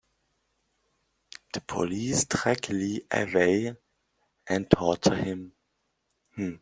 The police drag Lee away and torture him.